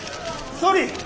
総理！